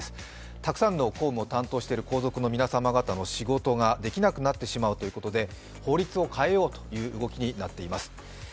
たくさんの公務を担当している皇族の皆様方の仕事ができなくなってしまうということで、法律を変えようという動きになっています。